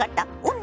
女